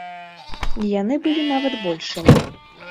Яны былі нават большым.